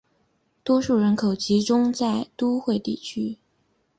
多数人口集中在都会地区。